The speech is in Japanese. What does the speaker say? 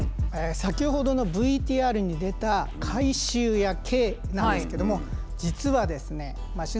先ほどのＶＴＲに出た回収屋Ｋなんですけども実はですねあら！